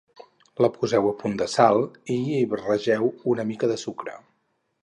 La poseu a punt de sal i hi barregeu una mica de sucre